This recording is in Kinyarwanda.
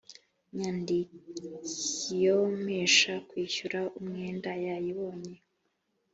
nyandikio mpesha kwishyura umwenda yayibonye